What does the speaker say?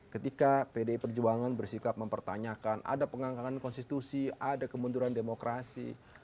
ketika pdi perjuangan bersikap mempertanyakan ada pengangkangan konstitusi ada kemunduran demokrasi